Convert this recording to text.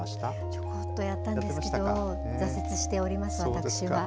ちょこっとやったんですけど、挫折しております、私は。